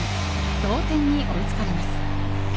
同点に追いつかれます。